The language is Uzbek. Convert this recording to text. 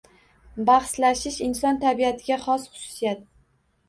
Bahslashish inson tabiatiga xos xususiyat.